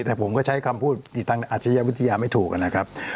แต่ผมก็ใช้คำพูดอาจจะวิทยาไม่ถูกนะครับ